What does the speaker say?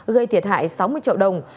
gây thiệt hại sáu mươi triệu đồng